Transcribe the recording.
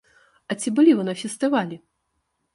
А ці былі вы на фестывалі?